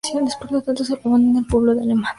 Por lo tanto, se hablaba en el pueblo alemán.